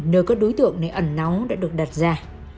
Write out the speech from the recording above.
nơi các đối tượng này ẩn nóng đã được đặt ra